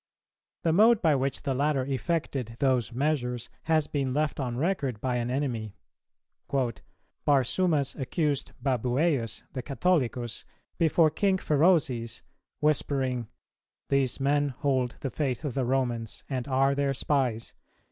The mode by which the latter effected those measures has been left on record by an enemy. "Barsumas accused Babuæus, the Catholicus, before King Pherozes, whispering, 'These men hold the faith of the Romans, and are their spies.